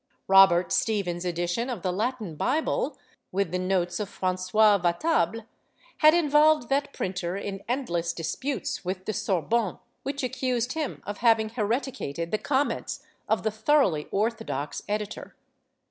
Robert Stephen's edition of the Latin Bible, with the notes of Francois Vatable, had involved that printer in endless disputes with the Sorbonne, which accused him of having hereti cated the comments of the thoroughly orthodox editor.